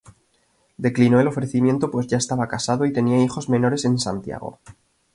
Declinó el ofrecimiento pues ya estaba casado y tenía hijos menores en Santiago.